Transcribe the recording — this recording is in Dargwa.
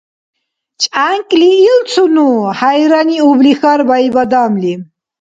ЧӀянкӀли илцуну? – хӀяйраниубли хьарбаиб адамли.